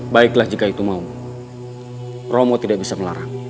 baiklah jika itu mau romo tidak bisa melarang